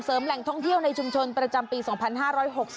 ชิบแป้งนะครับโอ้ย